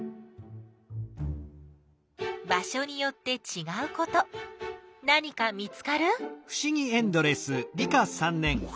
場所によってちがうこと何か見つかる？